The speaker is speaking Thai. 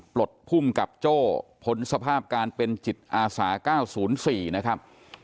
ปลดภูมิกับโจ้พ้นสภาพการเป็นจิตอาสา๙๐๔นะครับ